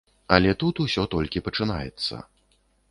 Але тут усё толькі пачынаецца.